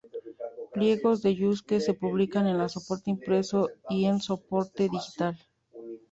Pliegos de Yuste se publica en soporte impreso y en soporte digital.